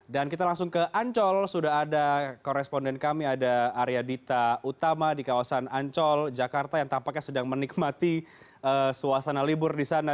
dan kita langsung ke ancol sudah ada koresponden kami ada area dita utama di kawasan ancol jakarta yang tampaknya sedang menikmati suasana libur di sana